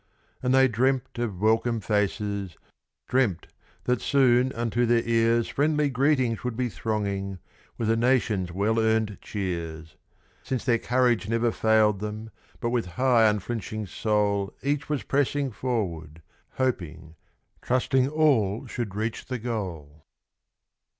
And they dreamt of welcome faces dreamt that soon unto their ears Friendly greetings would be thronging, with a nation's well earned cheers; Since their courage never failed them, but with high, unflinching soul Each was pressing forward, hoping, trusting all should reach the goal.